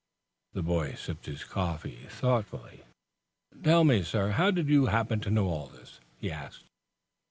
The boy sipped his coffee thoughtfully. "Tell me, sir; how did you happen to know all this?" he asked.